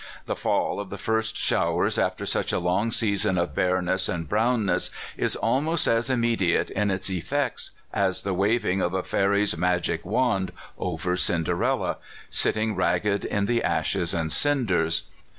The fall of the first showers after such a long season of bareness and brown ness is almost afs immediate in its effects as the waving of a fairy's magic wand over Cinderella, sitting ragged in the ashes and cinders.